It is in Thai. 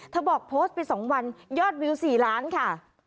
บอกโพสต์ไป๒วันยอดวิว๔ล้านค่ะ